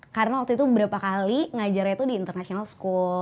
karena waktu itu berapa kali ngajarnya tuh di international school